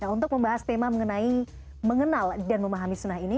untuk membahas tema mengenai mengenal dan memahami sunnah ini